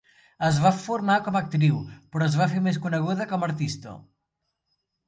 Es va formar com a actriu, però es va fer més coneguda com a artista.